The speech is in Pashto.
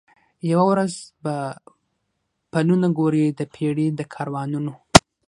یوه ورځ به پلونه ګوري د پېړۍ د کاروانونو